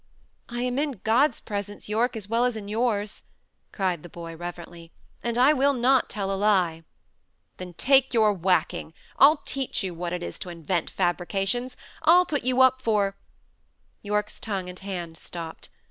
"I am in God's presence, Yorke, as well as in yours," cried the boy, reverently; "and I will not tell a lie." "Then take your whacking! I'll teach you what it is to invent fabrications! I'll put you up for " Yorke's tongue and hands stopped.